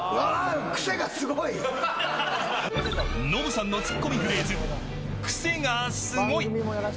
ノブさんのツッコミフレーズクセがスゴい。